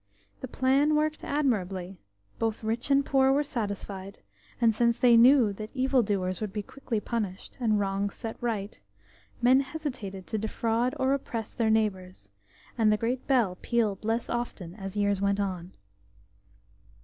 The plan worked admirably; both rich and poor were satisfied, and since they knew that evildoers would be quickly punished, and wrongs set right, men hesitated to defraud or oppress their neighbours, and the great bell pealed less often as years went on.